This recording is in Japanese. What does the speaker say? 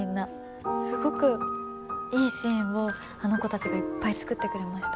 すごくいいシーンをあの子たちがいっぱい作ってくれました。